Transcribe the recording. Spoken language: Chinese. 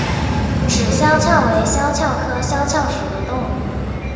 脂肖峭为肖峭科肖峭属的动物。